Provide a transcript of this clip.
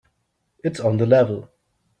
It's on the level.